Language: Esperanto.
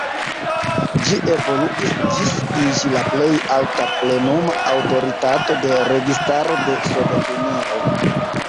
Ĝi evoluis ĝis iĝi la plej alta plenuma aŭtoritato de registaro de Sovetunio.